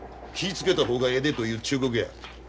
付けた方がええでという忠告や。